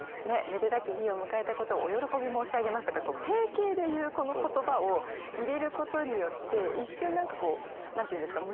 「めでたき日を迎えたことをお喜び申し上げます」とか定型で言うこの言葉を入れることによって一瞬何かこう何て言うんですか？